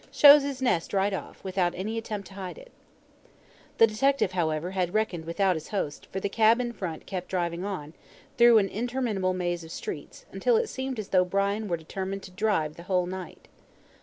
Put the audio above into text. "Shows his nest right off, without any attempt to hide it." The detective, however, had reckoned without his host, for the cab in front kept driving on, through an interminable maze of streets, until it seemed as though Brian were determined to drive the whole night.